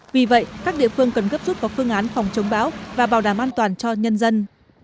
vì vậy các địa phương cần gấp rút có phương án phòng chống bão và bảo đảm an toàn cho nhân dân